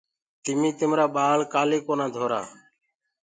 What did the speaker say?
تمي تمرآ ٻآݪ ڪآلي ڪونآ ڌنٚورآ۔